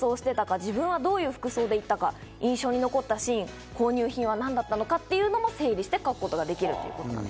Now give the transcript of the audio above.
自分はどういう服装で行ったか、印象に残ったシーンや購入品が何だったのか整理して書くこともできます。